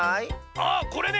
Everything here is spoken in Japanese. あこれね！